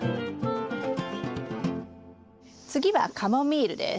次はカモミールです。